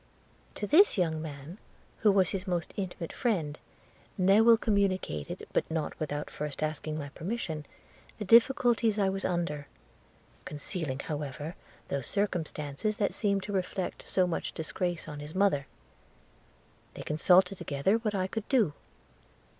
'To this young man, who was his most intimate friend, Newill communicated, but not without first asking my permission, the difficulties I was under; concealing however those circumstances that seemed to reflect so much disgrace on his mother. They consulted together what I could do.